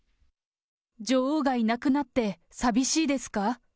女王がいなくなって寂しいですか？